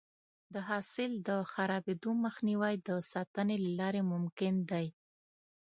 د حاصل د خرابېدو مخنیوی د ساتنې له لارې ممکن دی.